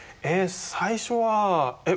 最初はえっ